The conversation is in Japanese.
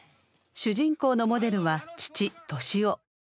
主人公のモデルは父敏雄。